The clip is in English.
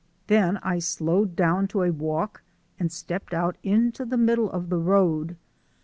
Then I slowed down to a walk and stepped out into the middle of the road.